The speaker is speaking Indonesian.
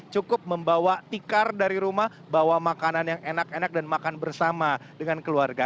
cukup membawa tikar dari rumah bawa makanan yang enak enak dan makan bersama dengan keluarga